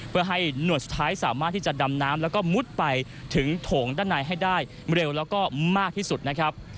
เพื่อให้หน่วยสุดท้ายสามารถที่จะดำน้ำแล้วก็มุดไปถึงโถงด้านในให้ได้เร็วแล้วก็มากที่สุดนะครับ